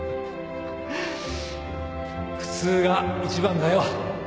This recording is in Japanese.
普通が一番だよ